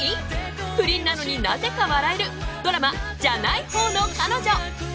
不倫なのになぜか笑えるドラマ『じゃない方の彼女』。